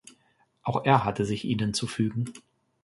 Auch er hatte sich ihnen zu fügen.